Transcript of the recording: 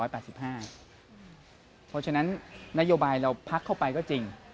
เพราะฉะนั้นนโยบายเราพักเข้าไปก็จริง